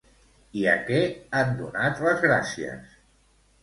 I a què han donat les gràcies?